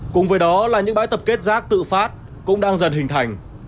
cùng với đó là những bãi tập kết rác tự phát cũng đang dần hình thành